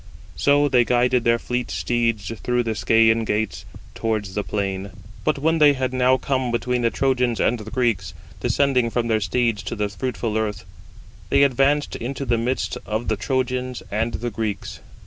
So they guided their fleet steeds through the Scæan gates, towards the plain. But when they had now come between the Trojans and the Greeks, descending from their steeds to the fruitful earth, they advanced into the midst of the Trojans and Greeks.